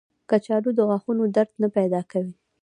کچالو د غاښونو درد نه پیدا کوي